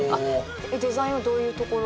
デザインはどういうところ？